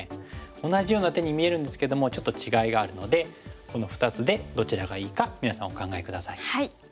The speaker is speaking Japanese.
同じような手に見えるんですけどもちょっと違いがあるのでこの２つでどちらがいいか皆さんお考え下さい。